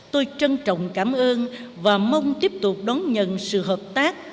tôi trân trọng cảm ơn và mong tiếp tục đón nhận sự hợp tác